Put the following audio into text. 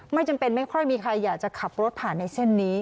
ไม่จำเป็นไม่ค่อยมีใครอยากจะขับรถผ่านในเส้นนี้